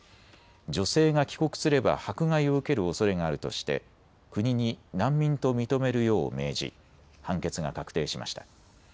女性が帰国すれば迫害を受けるおそれがあるとして国に難民と認めるよう命じ判決が確定しました。